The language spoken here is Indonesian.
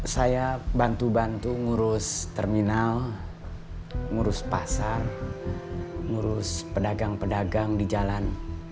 saya bantu bantu ngurus terminal ngurus pasar ngurus pedagang pedagang di jalan